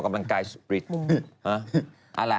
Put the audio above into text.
กำลังกายสฤทธิ์